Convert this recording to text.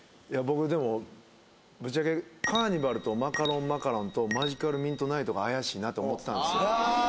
いや僕でもぶっちゃけカーニバル！とマカロンマカロンとマジカルミントナイトが怪しいなって思ってたんですよ